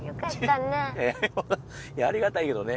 いやありがたいけどね。